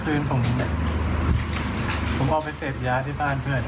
เมื่อคืนผมเอาไปเสพย้าที่บ้านเพื่อนครับ